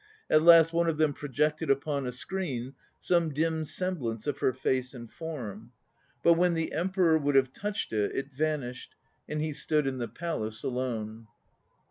At last one of them projected upon a screen some dim semblance of her face and form. But when the Emperor would have touched i vanished, and he stood in the palace alone.